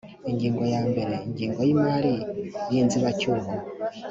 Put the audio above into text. ingingo ya mbere ingengo y imari y inzibacyuho